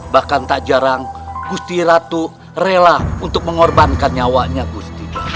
bahkan tak jarang gusti ratu rela untuk mengorbankan nyawanya gusti